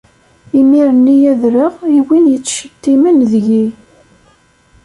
Imir-nni ad rreɣ i win yettcettimen deg-i.